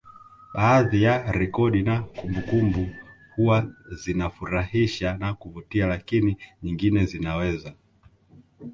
Baadhi ya rekodi na kumbukumbu huwa zinafurahisha na kuvutia lakini nyingine zinaweza